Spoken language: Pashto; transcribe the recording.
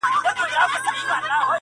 پر رشوت زنا بهته چي وي خاموشه